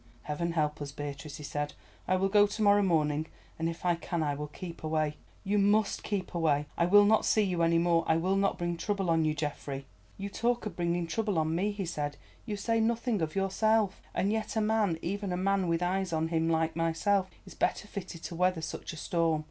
"Heaven help us, Beatrice," he said. "I will go to morrow morning and, if I can, I will keep away." "You must keep away. I will not see you any more. I will not bring trouble on you, Geoffrey." "You talk of bringing trouble on me," he said; "you say nothing of yourself, and yet a man, even a man with eyes on him like myself, is better fitted to weather such a storm.